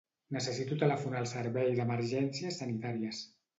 Necessito telefonar al Servei d'Emergències Sanitàries.